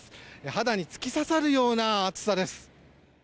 肌に突き刺さるような暑さです。